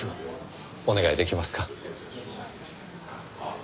お願い出来ますか？